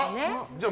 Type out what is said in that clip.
じゃあ、○。